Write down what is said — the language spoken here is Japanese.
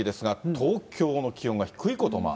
東京の気温が低いこと、まあ。